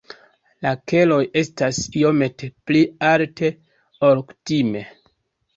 La keloj estas iomete pli alte, ol kutime.